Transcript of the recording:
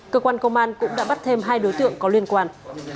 cơ quan công an cũng đã bắt thêm hai đối tượng có liên quan